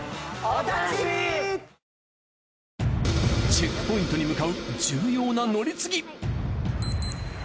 チェックポイントに向かう重要な乗り継ぎ。